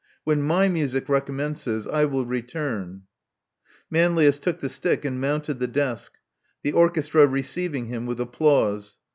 When my music recommences, I will return." Manlius took the stick and mounted the desk, the orchestra receiving him with applause.